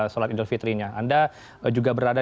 sholat idul fitrinya anda juga berada